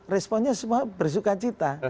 responnya semua bersuka cita